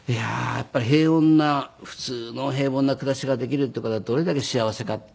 やっぱり平穏な普通の平凡な暮らしができるっていう事がどれだけ幸せかって。